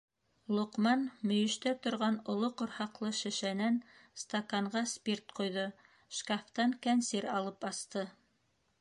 - Лоҡман мөйөштә торған оло ҡорһаҡлы шешәнән стаканға спирт ҡойҙо, шкафтан кәнсир алып асты.